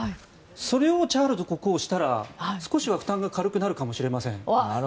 それをチャールズ国王がしたら少しは負担が軽くなるかもしれません。